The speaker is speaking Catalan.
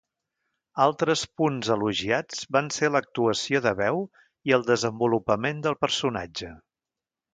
Altres punts elogiats van ser l'actuació de veu i el desenvolupament del personatge.